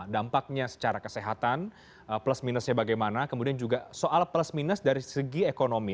dampaknya secara kesehatan plus minusnya bagaimana kemudian juga soal plus minus dari segi ekonomi